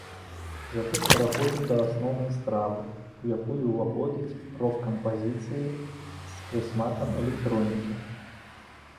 Затым пераходзім да асноўнай стравы, у якую ўваходзяць рок-кампазіцыі з прысмакам электронікі.